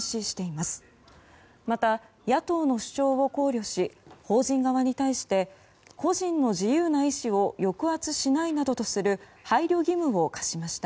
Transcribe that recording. また、野党の主張を考慮し法人側に対して個人の自由な意思を抑圧しないなどとする配慮義務を課しました。